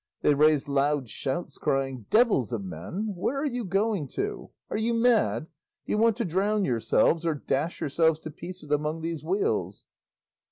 They raised loud shouts, crying, "Devils of men, where are you going to? Are you mad? Do you want to drown yourselves, or dash yourselves to pieces among these wheels?"